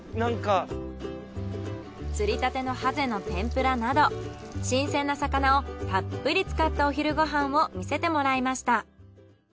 釣りたてのハゼの天ぷらなど新鮮な魚をたっぷり使ったお昼ご飯を見せてもらいました。